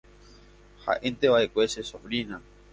ha'énteva'ekue che sobrina